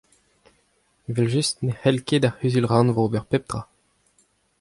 Evel-just ne cʼhall ket ar Cʼhuzul-rannvro ober pep tra !